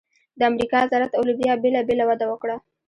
د امریکا ذرت او لوبیا بېله بېله وده وکړه.